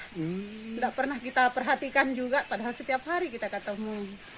tidak pernah kita perhatikan juga padahal setiap hari kita ketemu